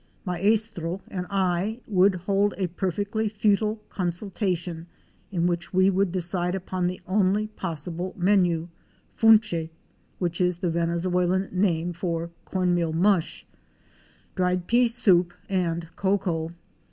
Maestro and I would hold a perfectly futile consultation in which we would decide upon the only possible menu— funche (which is the Venezuelan name for cornmea! mush), dried pea soup and cocoa.